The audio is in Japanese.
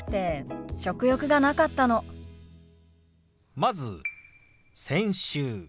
まず「先週」。